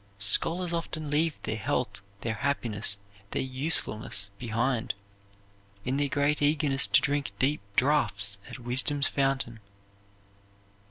Scholars often leave their health, their happiness, their usefulness behind, in their great eagerness to drink deep draughts at wisdom's fountain.